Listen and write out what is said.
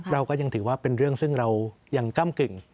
เราก็ยังถือว่าเป็นเรื่องซึ่งเรายังก้ำกึ่ง